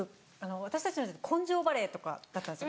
私たちの時代根性バレーとかだったんです。